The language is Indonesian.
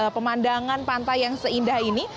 pemandangan pantai yang seindah ini